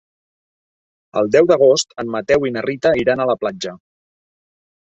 El deu d'agost en Mateu i na Rita iran a la platja.